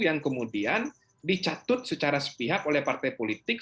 yang kemudian dicatut secara sepihak oleh partai politik